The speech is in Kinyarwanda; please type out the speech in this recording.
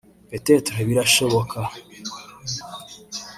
“Peut-être (birashoboka)